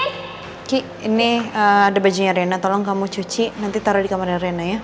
kiki ini ada bajunya rena tolong kamu cuci nanti taruh di kamarnya rena ya